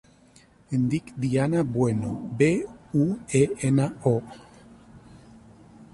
Em dic Diana Bueno: be, u, e, ena, o.